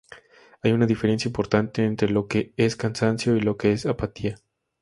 Hay una diferencia importante entre lo que es cansancio y lo que es apatía.